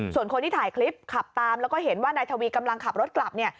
ส่วนคนที่ถ่ายคลิปขับตามแล้วก็เห็นว่านายทวีกำลังขับรถกลับเนี่ย